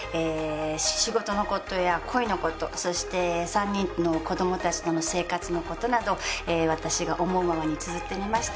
仕事の事や恋の事そして３人の子どもたちとの生活の事など私が思うままにつづってみました。